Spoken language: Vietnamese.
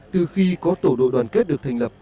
từ khi có tổ đội đoàn kết được thành lập